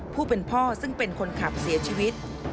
ผู้เป็นพ่อซึ่งเป็นคนขับเสียชีวิต